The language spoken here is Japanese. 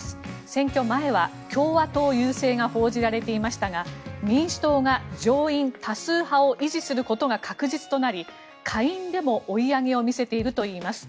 選挙前は共和党優勢が報じられていましたが民主党が上院多数派を維持することが確実となり、下院でも追い上げを見せているといいます。